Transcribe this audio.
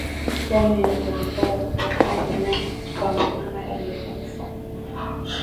Damu yenye povupovu hutoka kinywani kwa mnyama aliyekufa